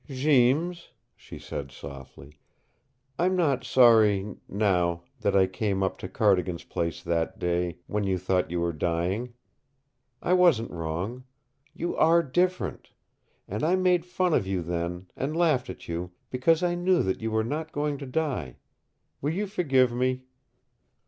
"Jeems," she said softly. "I'm not sorry now that I came up to Cardigan's place that day when you thought you were dying. I wasn't wrong. You are different. And I made fun of you then, and laughed at you, because I knew that you were not going to die. Will you forgive me?"